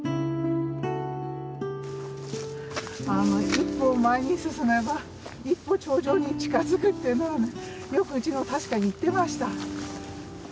一歩前に進めば一歩頂上に近づくっていうのはよくうちの確かに言ってました。